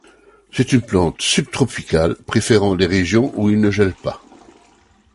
C'est une plante subtropicale, préférant les régions où il ne gèle pas.